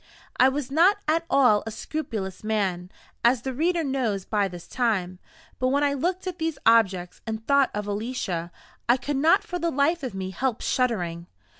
I was not at all a scrupulous man, as the reader knows by this time; but when I looked at these objects, and thought of Alicia, I could not for the life of me help shuddering.